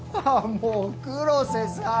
もう黒瀬さん